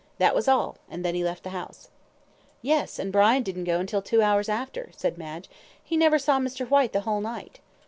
That was all, and then he left the house." "Yes, and Brian didn't go until two hours after," said Madge, triumphantly. "He never saw Mr. Whyte the whole night."